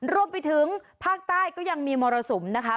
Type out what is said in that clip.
รวมไปถึงภาคใต้ก็ยังมีมรสุมนะคะ